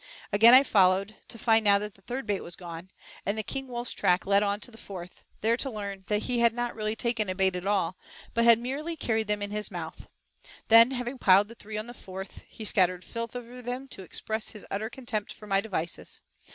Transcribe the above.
Again I followed to find now that the third bait was gone and the king wolf's track led on to the fourth, there to learn that he had not really taken a bait at all, but had merely carried them in his mouth, Then having piled the three on the fourth, he scattered filth over them to express his utter contempt for my devices.